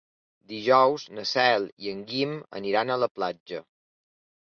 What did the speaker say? Dijous na Cel i en Guim aniran a la platja.